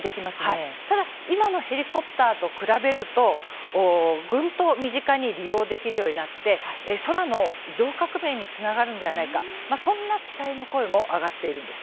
ただ今のヘリコプターと比べるとぐんと身近に利用できるようになって空の移動革命につながるのではないかそんな期待の声も上がっているんです。